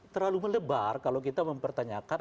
terlalu melebar kalau kita mempertanyakan